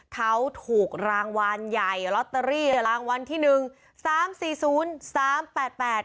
เขาถูกรางวัลใหญ่ลอตเตอรี่รางวัลที่หนึ่งสามสี่ศูนย์สามแปดแปด